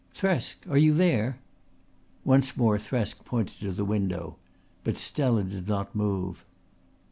"Thresk! Are you there?" Once more Thresk pointed to the window. But Stella did not move.